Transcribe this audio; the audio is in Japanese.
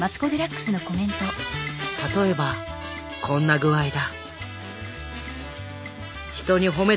例えばこんな具合だ。